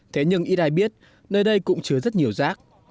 thế nhưng ít ai biết nơi đây cũng chứa rất nhiều rác